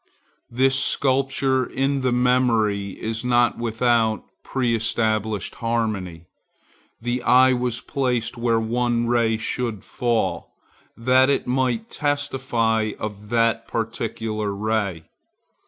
This sculpture in the memory is not without preestablished harmony. The eye was placed where one ray should fall, that it might testify of that particular ray.